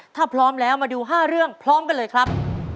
ถ้าพร้อมแล้วมาดู๕เรื่องพร้อมกันเลยครับ